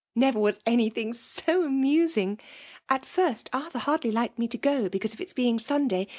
Never was any thing so amus* ing !— ^At first, Arthur hardly liked me to go, because of its being Sunday.